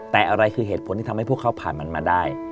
แต่อะไรคือเหตุผลที่ทำให้พวกเขาผ่านมันมาได้